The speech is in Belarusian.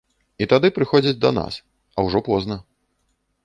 І тады прыходзяць да нас, а ўжо позна.